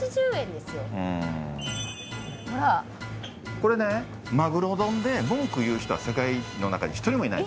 これねまぐろ丼で文句言う人は世界の中に一人もいない。